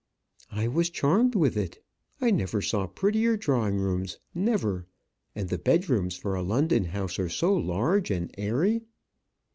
"I was charmed with it. I never saw prettier drawing rooms never. And the bedrooms for a London house are so large and airy."